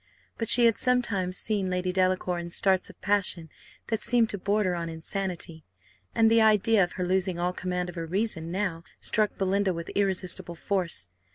But she had sometimes seen Lady Delacour in starts of passion that seemed to border on insanity, and the idea of her losing all command of her reason now struck Belinda with irresistible force.